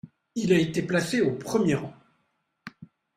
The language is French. Il a été placé au premier rang.